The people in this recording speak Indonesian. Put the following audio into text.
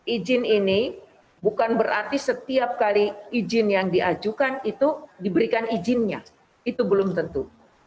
izin ini bukan berarti setiap kali izin yang diajukan itu diberikan izinnya itu belum tentu